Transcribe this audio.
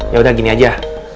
yaudah gini aja